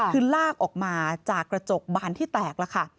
คือลากออกมาจากกระจกบานที่แตกแล้วค่ะ